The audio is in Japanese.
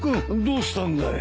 どうしたんだい？